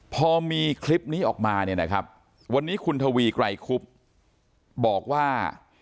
พอมีคลิปนี้ออกมาเนี่ยนะครับวันนี้คุณทวีไกรคุบบอกว่า